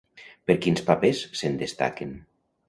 Per quins papers se'n destaquen?